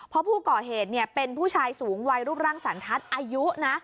เพราะผู้ก่อเหตุเป็นผู้ชายสูงวัยรูปร่างสันทัศน์อายุนะ